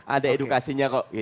ada edukasinya kok